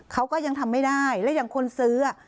เขาก็ยังทำไม่ได้และอย่างคนซื้อ